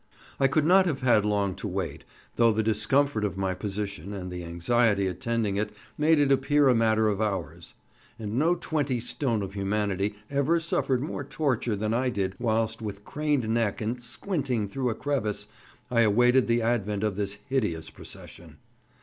I could not have had long to wait, though the discomfort of my position and the anxiety attending it made it appear a matter of hours; and no twenty stone of humanity ever suffered more torture than I did whilst with craned neck and squinting through a crevice I awaited the advent of this hideous procession.